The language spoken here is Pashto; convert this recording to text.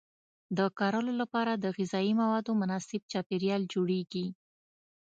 د کرلو لپاره د غذایي موادو مناسب چاپیریال جوړیږي.